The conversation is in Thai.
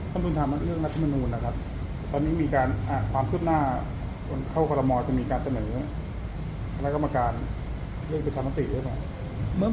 คุณถามเรื่องรัฐบนมูลนะครับตอนนี้มีความขึ้นหน้าเข้าควรมอลจะมีการเสนอแล้วก็มาการเรื่องประชาธิบัติด้วยครับ